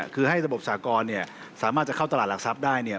คือให้ระบบสากรสามารถจะเข้าตลาดหลักทรัพย์ได้